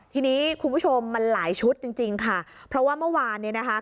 ทีนี้คุณผู้ชมมันหลายชุดจริงจริงค่ะเพราะว่าเมื่อวานเนี่ยนะคะ